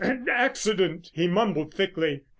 "An accident!" he mumbled thickly.